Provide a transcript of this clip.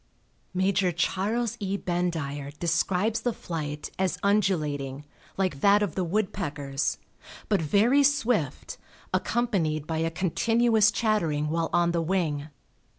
Major Charles E. Bendire describes the flight as undulating, like that of the woodpeckers, but very swift, accompanied by a continuous chattering while on the wing.